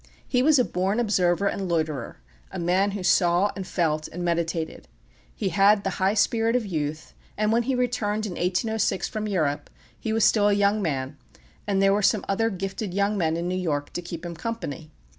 He was a born observer and loiterer, a man who saw and felt and meditated. He had the high spirit of youth, and when he returned in 1806 from Europe he was still a young man, and there were some other gifted young men in New York to keep him company.